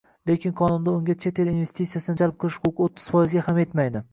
Lekin qonunda unga chet el investitsiyasini jalb qilish huquqi o'ttiz foizga ham yetmaydi